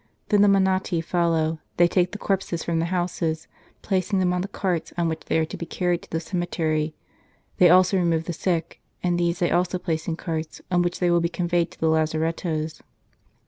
Then the monatti follow ; they take the corpses from the houses, placing them on the carts on which they are to be carried to the cemetery. They also remove the sick; and these they also place in carts, on which they will be conveyed to the lazarettoes.